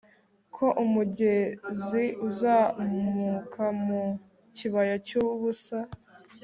Ko umugezi uzamuka mu kibaya cyubusa